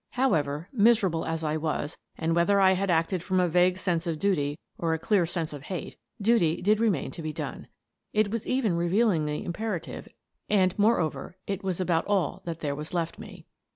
However, miserable as I was, and whether I had acted from a vague sense of duty or a clear sense of hate, duty did remain to be done. It was even revealingly imperative and, moreover, it was about all that there was left me.